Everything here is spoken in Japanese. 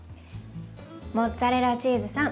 モッツァレラチーズさん